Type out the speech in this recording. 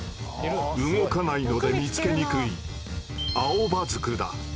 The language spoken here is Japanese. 動かないので見つけにくいアオバズクだ。